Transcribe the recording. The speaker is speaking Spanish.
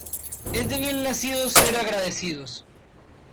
Es de bien nacidos ser agradecidos.